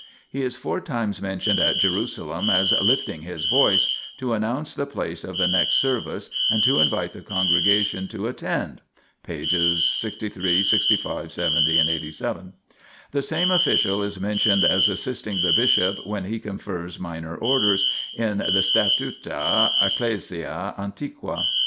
He is four times mentioned at Jerusalem as " lifting his voice " to announce the place of the next service and to invite the congregation to attend (pp. 63, 65, 70 and 87). The same official is men tioned as assisting the bishop when he confers minor orders in the Statuta ecclesiae antiqua.